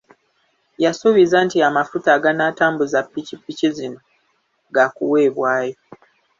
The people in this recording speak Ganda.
Yasuubizza nti amafuta aganaatambuza ppikipiki zino ga kuweebwayo.